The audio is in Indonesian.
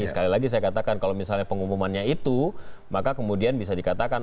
sekali lagi saya katakan kalau misalnya pengumumannya itu maka kemudian bisa dikatakan